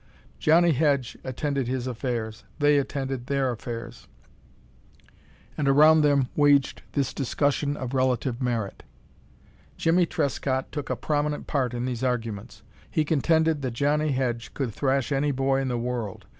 Johnnie Hedge attended his affairs, they attended their affairs, and around them waged this discussion of relative merit. Jimmie Trescott took a prominent part in these arguments. He contended that Johnnie Hedge could thrash any boy in the world.